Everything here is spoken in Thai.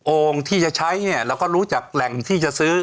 โอ่งที่จะใช้เราก็รู้จักแหล่งที่จะซื้อ